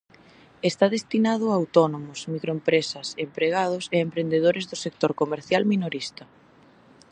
Está destinado a autónomos, microempresas, empregados e emprendendores do sector comercial minorista.